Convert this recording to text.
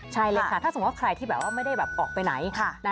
ใช่เลยค่ะถ้าสมมุติว่าใครที่แบบว่าไม่ได้ออกไปไหน